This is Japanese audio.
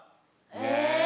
え！